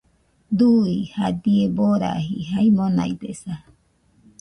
Dui jadie boraji jae monaidesa